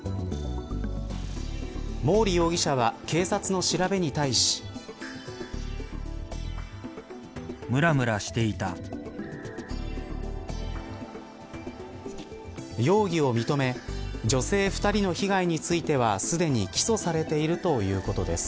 毛利容疑者は警察の調べに対し。容疑を認め女性２人の被害についてはすでに起訴されているということです。